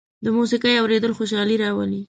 د موسيقۍ اورېدل خوشالي راولي.